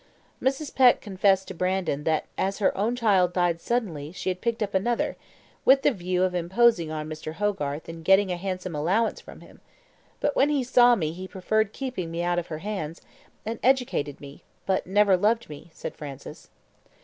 "Mrs. Peck confessed to Brandon that as her own child died suddenly she had picked up another, with the view of imposing on Mr. Hogarth and getting a handsome allowance from him; but when he saw me he preferred keeping me out of her hands, and educated me, but never loved me," said Francis.